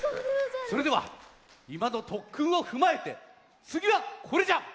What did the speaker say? それではいまのとっくんをふまえてつぎはこれじゃ！